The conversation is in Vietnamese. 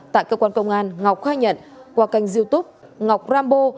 tại cơ quan công an ngọc khai nhận qua kênh youtube ngọc rambo